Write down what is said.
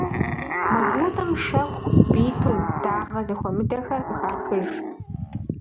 Мазутӏым шэху, битум, дагъэ зэхуэмыдэхэр къыхахыж.